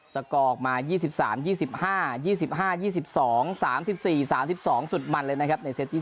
สกอร์ออกมา๒๓๒๕๒๕๒๒๓๔๓๒สุดมันเลยนะครับในเซตที่๒